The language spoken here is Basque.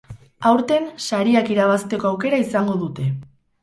Aurten, sariak irabazteko aukera izango dute.